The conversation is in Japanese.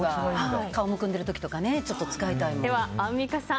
顔むくんでる時とかちょっと使いたいもん。